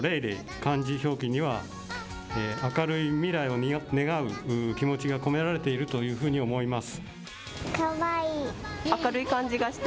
漢字表記には明るい未来を願う気持ちが込められているというふうに思います。